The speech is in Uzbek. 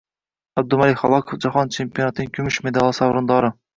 Abdumalik Xalakov jahon chempionatining kumush medali sovrindoring